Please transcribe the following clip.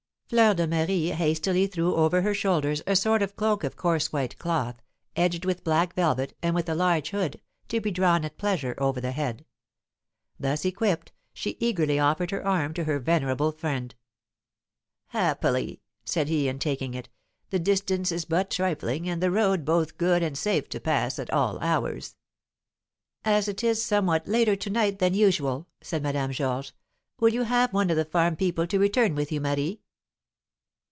Fleur de Marie hastily threw over her shoulders a sort of cloak of coarse white cloth, edged with black velvet, and with a large hood, to be drawn at pleasure over the head. Thus equipped, she eagerly offered her arm to her venerable friend. "Happily," said he, in taking it, "the distance is but trifling, and the road both good and safe to pass at all hours." "As it is somewhat later to night than usual," said Madame Georges, "will you have one of the farm people to return with you, Marie?"